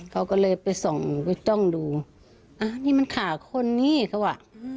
เขาก็เลยไปส่องไปจ้องดูอ่านี่มันขาคนนี้เขาว่า